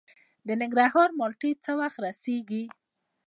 د ننګرهار مالټې څه وخت رسیږي؟